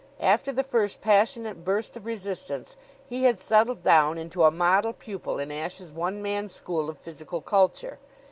After the first passionate burst of resistance he had settled down into a model pupil in Ashe's one man school of physical culture.